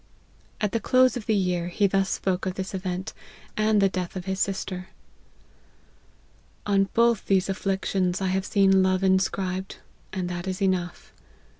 And at the close of the year, he thus spoke of this event, and the death of his sister :" On both these' afflictions I have seen love in scribed, and that is enough.